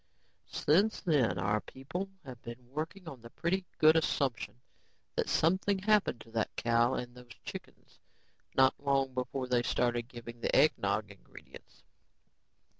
"Since then, our people have been working on the pretty good assumption that something happened to that cow and those chickens not too long before they started giving the Eggnog ingredients.